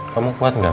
kamu kuat gak